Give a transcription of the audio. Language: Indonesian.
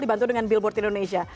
dibantu dengan billboard indonesia